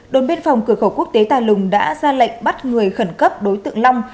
đồn biên phòng cửa khẩu quốc tế tà lùng đã ra lệnh bắt người khẩn cấp đối tượng long